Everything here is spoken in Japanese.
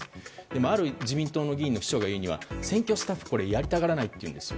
でも、ある自民党議員の秘書が言うには選挙スタッフをやりたがらないというんです。